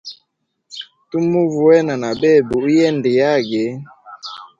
Tumuva wena na bebe uyende yage.